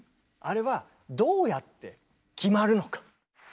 あれはどうやって決まるのか。